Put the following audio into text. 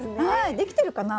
できてるかな？